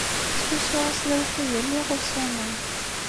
Ttḥusuɣ-as d awḥid i lliɣ ussan-a.